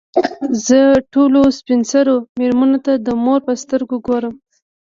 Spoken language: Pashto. زه ټولو سپین سرو مېرمنو ته د مور په سترګو ګورم.